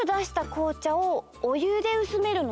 こうちゃをおゆでうすめるの？